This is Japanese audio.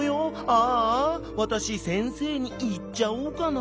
ああわたし先生にいっちゃおうかな」。